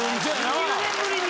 ２０年ぶりに。